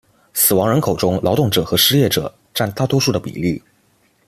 死亡人口中劳动者和失业者占大多数的比例。